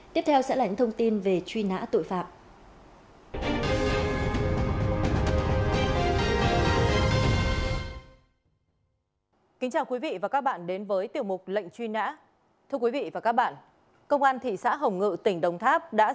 tiếp theo sẽ là những thông tin về truy nã tội phạm